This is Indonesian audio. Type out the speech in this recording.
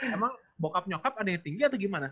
emang bokap nyokap adanya tinggi atau gimana